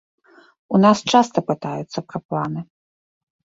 У нас часта пытаюцца пра планы.